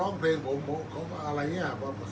อันไหนที่มันไม่จริงแล้วอาจารย์อยากพูด